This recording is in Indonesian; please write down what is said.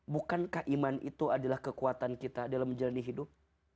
bukankah iman itu adalah kekuatan kita dalam menjalani hidup